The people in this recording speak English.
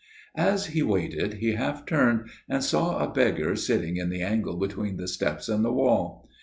"As he waited, he half turned and saw a beggar sitting in the angle between the steps and the wall.